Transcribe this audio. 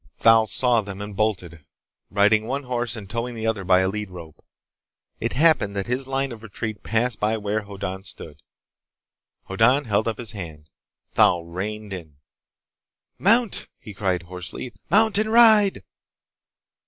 Thal saw them and bolted, riding one horse and towing the other by a lead rope. It happened that his line of retreat passed by where Hoddan stood. Hoddan held up his hand. Thal reined in. "Mount!" he cried hoarsely. "Mount and ride!"